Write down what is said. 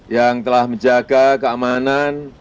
yang telah menjaga keamanan